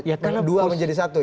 ya karena bosnya sendiri